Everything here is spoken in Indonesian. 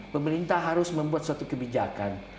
pemerintah harus membuat suatu kebijakan